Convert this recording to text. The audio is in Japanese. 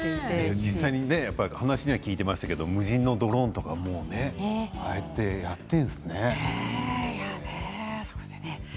実際に、話には聞いていましたけど無人のドローンとかもああやってやっているんですね。